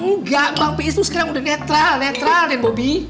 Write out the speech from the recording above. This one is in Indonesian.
enggak bang fi itu sekarang udah netral netral dan bobby